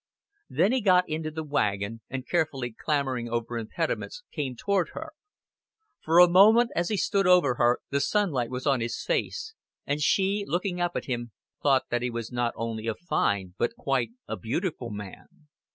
Then he got into the wagon, and carefully clambering over impediments came toward her. For a moment as he stood over her the sunlight was on his face, and she, looking up at him, thought that he was not only a fine but quite a beautiful man.